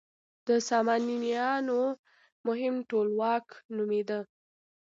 د سامانیانو مهم ټولواک نومېده.